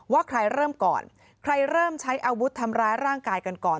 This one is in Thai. ว่าใครเริ่มก่อนใครเริ่มใช้อาวุธทำร้ายร่างกายกันก่อน